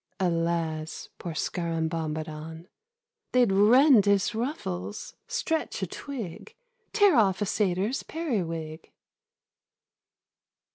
Alas, poor Scarabombadon ! They'd rend his ruffles, stretch a twig, Tear off a satyr's periwig.'